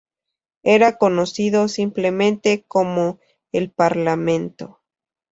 Era conocido simplemente como "el Parlamento".